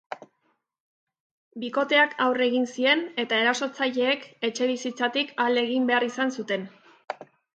Bikoteak aurre egin zien eta erasotzaileek etxebizitzatik alde egin behar izan zuten.